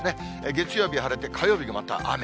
月曜日は晴れて、火曜日がまた雨。